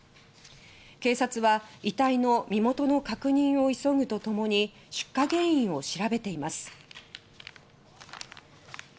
警察は遺体の身元確認を急ぐとともに出火原因を調べています。